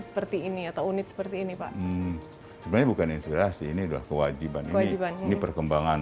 seperti ini atau unit seperti ini pak ini uygun inspirasi ini dua kowejriban kowejriban persamaan